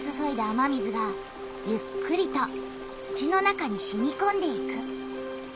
雨水がゆっくりと土の中にしみこんでいく。